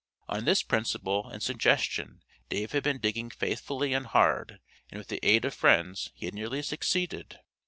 On this principle and suggestion Dave had been digging faithfully and hard, and with the aid of friends he had nearly succeeded.